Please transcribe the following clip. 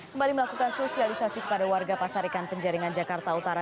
kembali melakukan sosialisasi kepada warga pasar ikan penjaringan jakarta utara